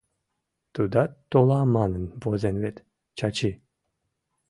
Тудат толам манын возен вет, Чачи?